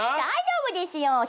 大丈夫ですよ。